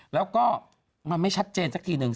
แล้วก็มันไม่ชัดเจนสักทีหนึ่ง